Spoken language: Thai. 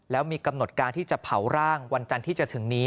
แล้วมีกำหนดการที่จะเผาร่างวันจันทร์ที่จะถึงนี้